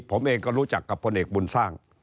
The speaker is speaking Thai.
ผมเองก็รู้จักกับพลเอกบุญสร้าง